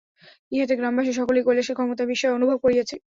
ইহাতে গ্রামবাসী সকলেই কৈলাসের ক্ষমতায় বিস্ময় অনুভব করিয়াছে।